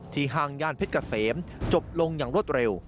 ห้างย่านเพชรเกษมจบลงอย่างรวดเร็ว